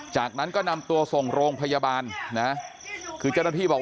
จากนั้นก็นำตัวส่งโรงพยาบาลนะคือเจ้าหน้าที่บอก